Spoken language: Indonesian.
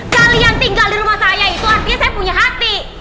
kalian tinggal di rumah saya itu artinya saya punya hati